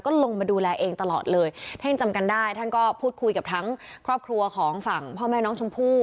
ลงมาดูแลเองตลอดเลยท่านยังจำกันได้ท่านก็พูดคุยกับทั้งครอบครัวของฝั่งพ่อแม่น้องชมพู่